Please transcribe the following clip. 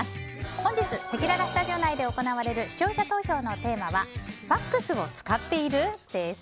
本日、せきららスタジオ内で行われる視聴者投票のテーマはファックスを使っている？です。